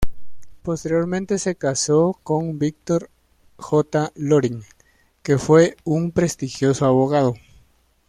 Posteriormente se casó con Victor J. Loring, que fue un prestigioso abogado.